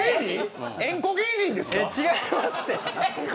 違いますって。